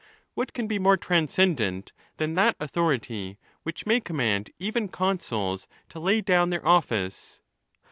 What can be, more transcendent than that authority which may com mand even consuls to lay down their office?